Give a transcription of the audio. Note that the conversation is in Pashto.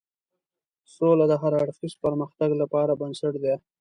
سوله د هر اړخیز پرمختګ لپاره بنسټ ده.